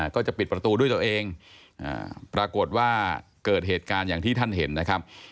ก็จะปิดประตูด้วยตัวเองปรากฏว่าเกิดเหตุการณ์อย่างที่ท่านเห็นนะครับ